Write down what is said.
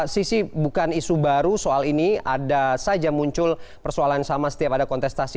sisi bukan isu baru soal ini ada saja muncul persoalan sama setiap ada kontestasi